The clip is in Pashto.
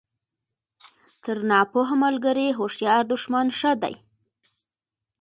تر ناپوه ملګري هوښیار دوښمن ښه دئ!